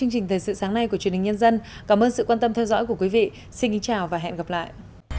xin chào và hẹn gặp lại